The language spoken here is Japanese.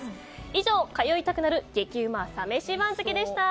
以上、通いたくなる激うまサ飯番付でした。